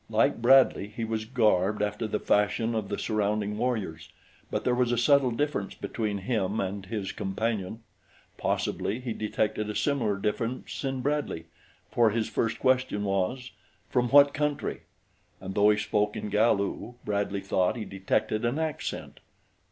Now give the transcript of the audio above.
Like Bradley he was garbed after the fashion of the surrounding warriors; but there was a subtle difference between him and his companion. Possibly he detected a similar difference in Bradley, for his first question was, "From what country?" and though he spoke in Galu Bradley thought he detected an accent.